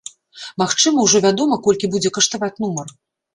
Магчыма, ужо вядома, колькі будзе каштаваць нумар?